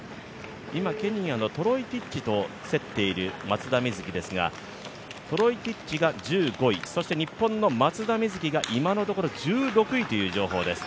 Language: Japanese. ケニアのトロイティッチと競っている、松田瑞生ですがトロイティッチが１５位、そして日本の松田瑞生が１６位という情報です。